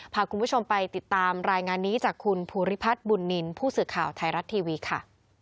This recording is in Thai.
พาคุณผู้ชมไปติดตามรายงานนี้จากคุณภูริพัฒน์บุญนินทร์ผู้สื่อข่าวไทยรัฐทีวีค่ะ